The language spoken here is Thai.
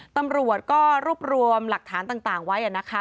ตำรวจก็รวบรวมหลักฐานต่างไว้นะคะ